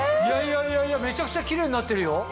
いやいやめちゃくちゃキレイになってるよ！